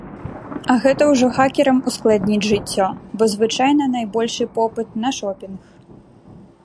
А гэта ўжо хакерам ускладніць жыццё, бо звычайна найбольшы попыт на шопінг.